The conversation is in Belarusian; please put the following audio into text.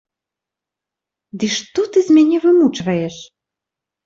Ды што ты з мяне вымучваеш?